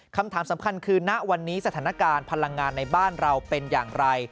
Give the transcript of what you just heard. คำถามสำคัญคือณวันนี้สถานการณ์พลังงานในบ้านเราเป็นอย่างไร